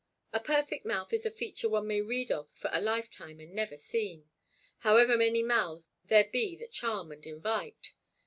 A perfect mouth is a feature one may read of for a lifetime and never see, however many mouths there be that charm and invite.